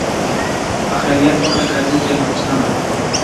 په حيرت وکړه قاضي ترېنه پوښتنه!!